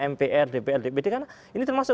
mpr dpr dpd kan ini termasuk